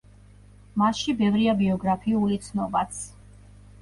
მასში ბევრია ბიოგრაფიული ცნობაც.